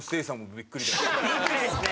びっくりですね。